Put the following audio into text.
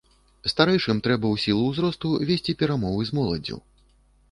Старэйшым трэба ў сілу ўзросту весці перамовы з моладдзю.